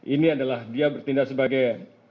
ini adalah dia bertindak sebagai